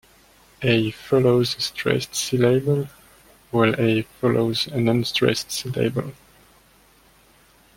A follows a stressed syllable while a follows an unstressed syllable.